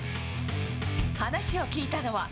話を聞いたのは。